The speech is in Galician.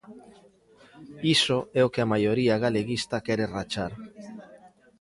Iso é o que a Maioría Galeguista quere rachar.